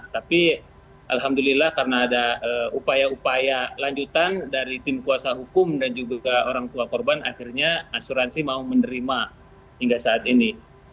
tapi alhamdulillah karena ada upaya upaya lanjutan dari tim kuasa hukum dan juga orang tua korban akhirnya asuransi mau menerima hingga saat ini